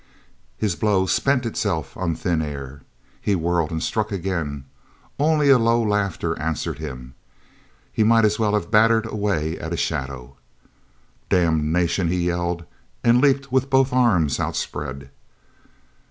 His blow spent itself on thin air. He whirled and struck again. Only a low laughter answered him. He might as well have battered away at a shadow. "Damnation!" he yelled, and leaped in with both arms outspread.